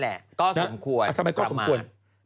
เอาทำไมก็สมควร